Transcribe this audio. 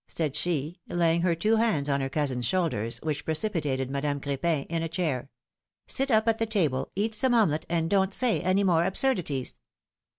'^ said she, laying her two hands on her cousin's shoulders, which precipitated Madame Cr4pin in a chair ; sit up at the table, eat some omelette, and don't say any more absurdities